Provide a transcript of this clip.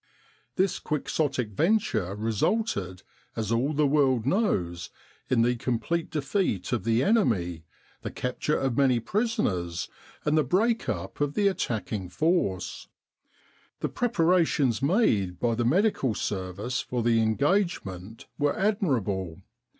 This quixotic venture resulted, as all the world knows, in the complete defeat of the enemy, the capture of many prisoners, and the break up of the attacking force. The preparations made by the Medical Service for the engagement were admirable.